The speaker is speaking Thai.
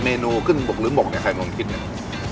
เมนูขึ้นบกหรือหมกใครมองคิดเนี่ย